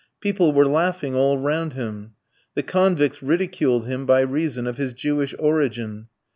People were laughing all round him. The convicts ridiculed him by reason of his Jewish origin.